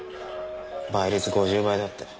倍率５０倍だって。